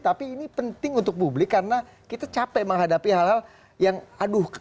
tapi ini penting untuk publik karena kita capek menghadapi hal hal yang aduh